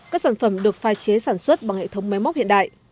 các sản phẩm được phai chế sản xuất bằng hệ thống máy móc hiện đại